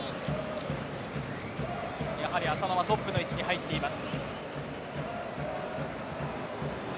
やはり浅野はトップの位置に入っています。